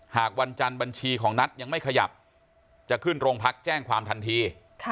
หากวันจันทร์บัญชีของนัทยังไม่ขยับจะขึ้นโรงพักแจ้งความทันที